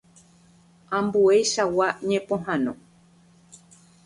Ambueichagua ñepohãno.